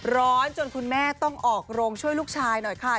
จนคุณแม่ต้องออกโรงช่วยลูกชายหน่อยค่ะ